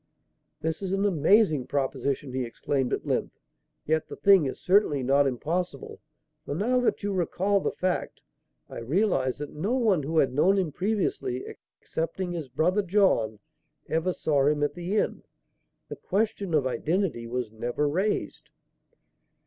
"This is an amazing proposition!" he exclaimed, at length. "Yet the thing is certainly not impossible, for, now that you recall the fact, I realize that no one who had known him previously excepting his brother, John ever saw him at the inn. The question of identity was never raised."